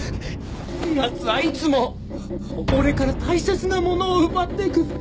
奴はいつも俺から大切なものを奪っていく。